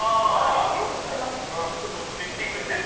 よく知ってますって。